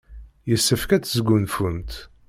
Yessefk ad tesgunfumt.